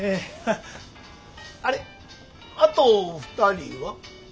あれあと２人は？